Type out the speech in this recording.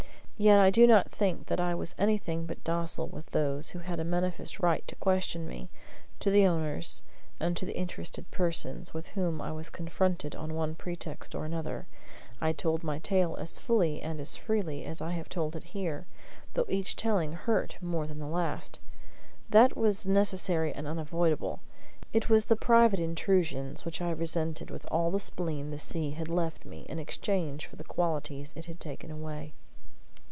And yet I do not think that I was anything but docile with those who had a manifest right to question me; to the owners, and to other interested persons, with whom I was confronted on one pretext or another, I told my tale as fully and as freely as I have told it here, though each telling hurt more than the last. That was necessary and unavoidable; it was the private intrusions which I resented with all the spleen the sea had left me in exchange for the qualities it had taken away.